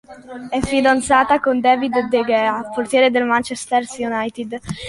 È fidanzata con David De Gea, portiere del Manchester United.